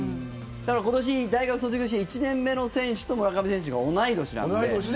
今年、大学卒業して１年目の選手と村上選手が同い年なので。